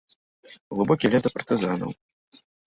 У глыбокі лес да партызанаў.